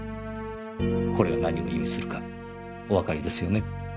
これが何を意味するかおわかりですよね？